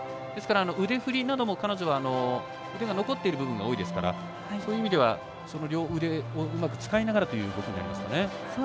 ですから、腕振りなども彼女は腕が残っている部分が多いですから、そういう意味では両腕をうまく使いながらということになりますかね。